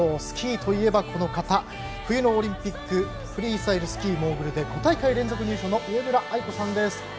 スキーといえば、この方冬のオリンピックフリースタイルスキーモーグルで５大会連続入賞の上村愛子さんです。